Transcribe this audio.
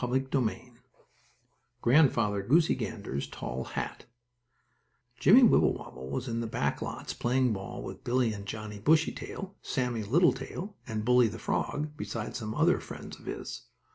STORY XXIX GRANDFATHER GOOSEY GANDER'S TALL HAT Jimmie Wibblewobble was in the back lots, playing ball with Billie and Johnnie Bushytail, Sammie Littletail, and Bully, the frog, besides some other friends of his.